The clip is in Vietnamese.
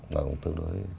và cũng tương đối